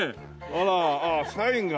あらああサインが。